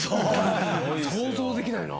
想像できないな。